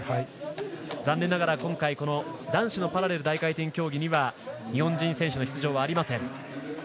残念ながら、今回男子のパラレル大回転競技には日本人選手の出場はありません。